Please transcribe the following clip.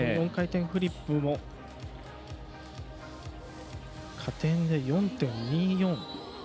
４回転フリップも加点で４．２４。